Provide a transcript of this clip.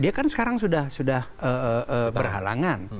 dia kan sekarang sudah berhalangan